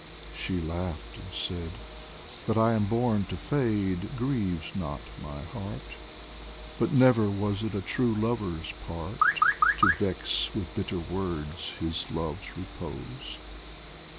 She laughed and said :" That I am born to fade grieves not my heart ; But never was it a true lover's part To vex with bitter words his love's repose."